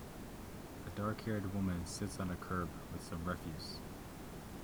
A darkhaired woman sits on a curb with some refuse.